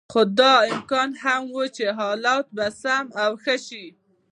خو دا امکان هم و چې حالات به سم او ښه شي.